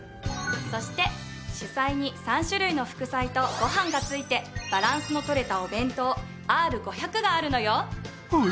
そして主菜に３種類の副菜とご飯がついてバランスのとれたお弁当Ｒ５００があるのよ。